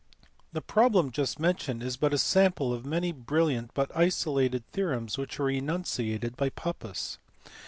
The problem just mentioned is but a sample of many brilliant but isolated theorems which were enunciated by Pappus.